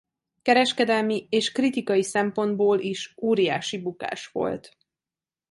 Kereskedelmi és kritikai szempontból is óriási bukás volt.